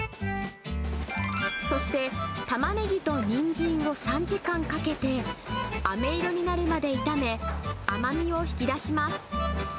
そして、タマネギとニンジンを３時間かけて、あめ色になるまで炒め、甘みを引き出します。